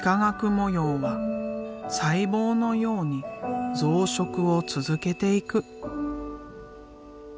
模様は細胞のように増殖を続けていく。